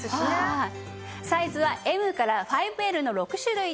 サイズはＭから５Ｌの６種類です。